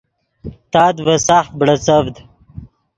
تات ڤے ساخت بڑیڅڤد